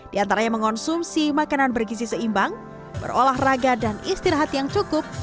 di antara yang mengonsumsi makanan bergizi seimbang berolah raga dan istirahat yang cukup